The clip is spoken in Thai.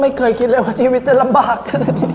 ไม่เคยคิดเลยว่าชีวิตจะลำบากขนาดนี้